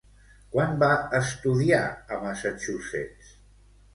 Quan va estudiar a Massachusetts?